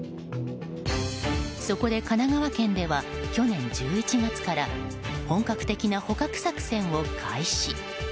そこで神奈川県では去年１１月から本格的な捕獲作戦を開始。